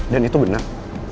dan itu bener